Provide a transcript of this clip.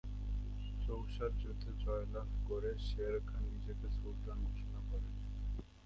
Chaucer যুদ্ধে জয়লাভ করে শেরখান নিজেকে সুলতান ঘোষণা করেন।